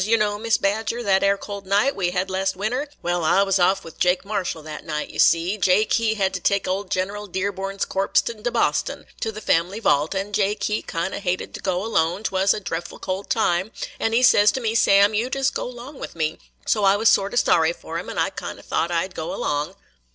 You know, Mis' Badger, that 'ere cold night we hed last winter. Wal, I was off with Jake Marshall that night; ye see, Jake, he hed to take old General Dearborn's corpse into Boston, to the family vault, and Jake, he kind o' hated to go alone; 't was a drefful cold time, and he ses to me, 'Sam you jest go 'long with me'; so I was sort o' sorry for him, and I kind o' thought I 'd go long.